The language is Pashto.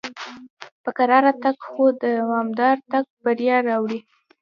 په کراره تګ خو دوامدار تګ بریا راوړي.